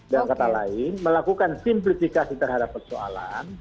dan kata lain melakukan simplifikasi terhadap persoalan